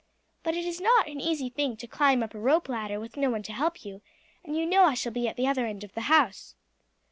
But it is not an easy thing to climb up a rope ladder with no one to help you, and you know I shall be at the other end of the house."